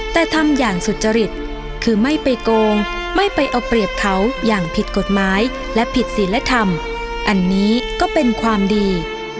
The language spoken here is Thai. แต่ทำอย่างสุจริตคือไม่ไปโกงไม่ไปเอาเปรียบเขาอย่างผิดกฎหมายและผิดศิลธรรมอันนี้ก็เป็นความดี